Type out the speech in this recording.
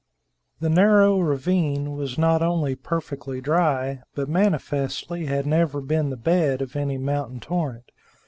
The narrow ravine was not only perfectly dry, but manifestly had never been the bed of any mountain torrent.